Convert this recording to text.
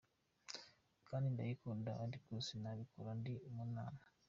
kandi ndayikunda ariko sinabikora ndi mu nama.